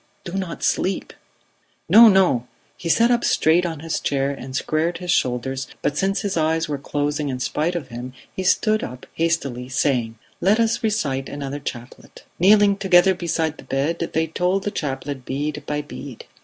Do not sleep!" "No! No!" He sat up straight on his chair and squared his shoulders but since his eyes were closing in spite of him, he stood up hastily, saying: "Let us recite another chaplet." Kneeling together beside the bed, they told the chaplet bead by bead.